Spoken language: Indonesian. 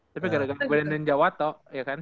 tapi gara gara brandon jawa toh iya kan